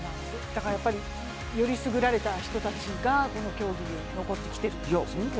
やっぱり、選りすぐられた人たちがこの競技に残ってきている。